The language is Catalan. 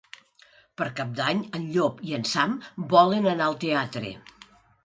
Per Cap d'Any en Llop i en Sam volen anar al teatre.